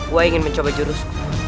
ua ingin mencoba jurus